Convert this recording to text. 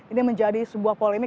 ini menjadi sebuah polemik